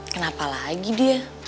kenapa lagi dia